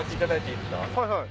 はいはい。